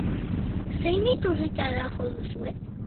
Zein iturritara jo duzue?